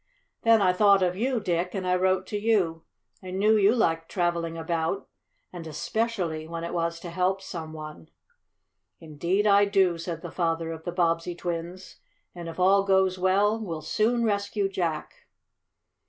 "Then I thought of you, Dick, and I wrote to you. I knew you liked traveling about, and especially when it was to help some one." "Indeed I do," said the father of the Bobbsey twins. "And if all goes well we'll soon rescue Jack!"